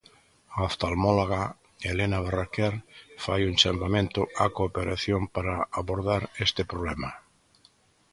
A oftalmóloga Elena Barraquer fai un chamamento á cooperación para abordar este problema.